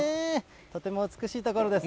とても美しい所です。